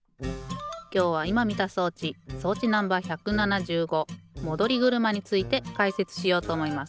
きょうはいまみた装置装置Ｎｏ．１７５戻り車についてかいせつしようとおもいます。